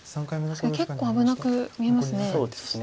確かに結構危なく見えますね。